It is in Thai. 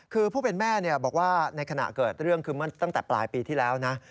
คือผู้เป็นแม่บอกว่าในขณะเกิดเรื่องคือตั้งแต่ปลายปีที่แล้วนะ